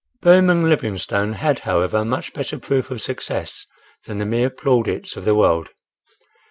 Berryman Livingstone had, however, much better proof of success than the mere plaudits of the world.